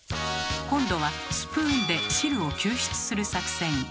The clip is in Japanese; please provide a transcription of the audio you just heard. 今度はスプーンで汁を救出する作戦。